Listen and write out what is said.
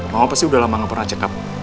mama pasti udah lama gak pernah cek up